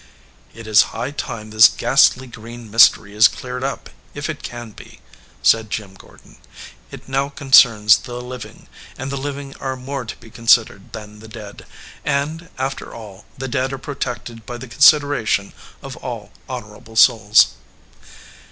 "It is high time this ghastly green mystery is cleared up if it can be," said Jim Gor don. "It now concerns the living, and the living are more to be considered than the dead. And, after all, the dead are protected by the consider ation of all honorable souls."